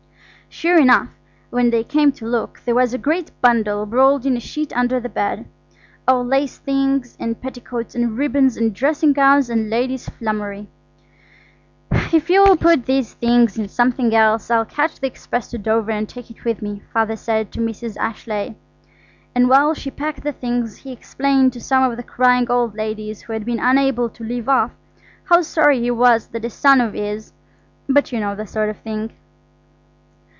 Sure enough, when they came to look, there was a great bundle rolled in a sheet under the bed–all lace things and petticoats and ribbons and dressing gowns and ladies' flummery. "If you will put the things in something else, I'll catch the express to Dover and take it with me," Father said to Mrs. Ashleigh; and while she packed the things he explained to some of the crying old ladies who had been unable to leave off, how sorry he was that a son of his–but you know the sort of thing.